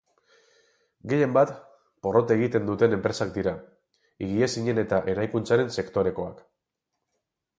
Gehien bat, porrot egin duten enpresak dira, higiezinen eta eraikuntzaren sektorekoak.